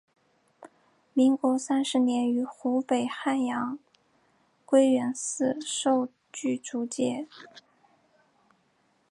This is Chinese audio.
民国三十年于湖北汉阳归元寺受具足戒。